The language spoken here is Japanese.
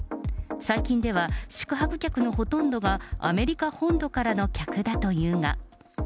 最近では宿泊客のほとんどがアメリカ本土からの客だというが。